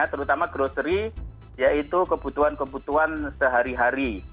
terutama grocery yaitu kebutuhan kebutuhan sehari hari